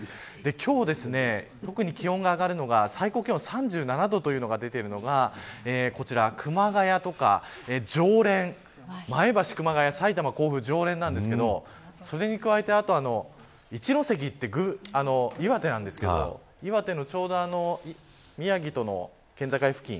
今日、特に気温が上がるのが最高気温３７度が出ているのが熊谷とか常連前橋、熊谷、埼玉、甲府常連なんですけどそれに加えて一関って岩手なんですけど岩手のちょうど宮城との県境付近